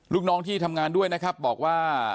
ลูกน้องที่ทำงานด้วยนะครับบอกว่า